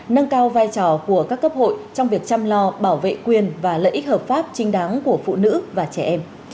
nâng cao vai trò của các cấp hội trong việc chăm lo bảo vệ quyền và lợi ích hợp pháp trinh đáng của phụ nữ và trẻ em